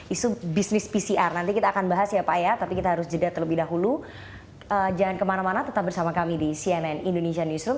isu bisnis pcr nanti kita akan bahas ya pak ya tapi kita harus jeda terlebih dahulu jangan kemana mana tetap bersama kami di cnn indonesia newsroom